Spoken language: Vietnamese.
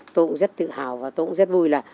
tôi cũng rất tự hào và tôi cũng rất vui là